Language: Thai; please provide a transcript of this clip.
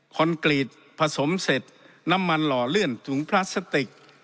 กรีตผสมเสร็จน้ำมันหล่อเลื่อนถุงพลาสติก